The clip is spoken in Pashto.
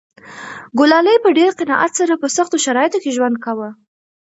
ګلالۍ په ډېر قناعت سره په سختو شرایطو کې ژوند کاوه.